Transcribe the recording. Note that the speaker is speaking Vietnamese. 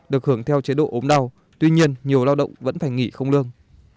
được hưởng theo chế độ ốm đau tuy nhiên nhiều lao động vẫn phải nghỉ không lương